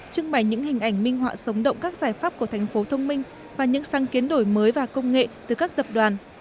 trưng bày những hình ảnh minh họa sống động các giải pháp của thành phố thông minh và những sáng kiến đổi mới và công nghệ từ các tập đoàn